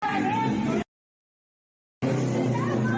มายาก